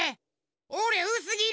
おれうすぎり！